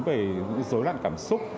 về dối loạn cảm xúc